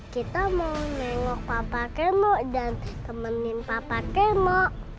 kita mau nengok papa keno dan temenin papa keno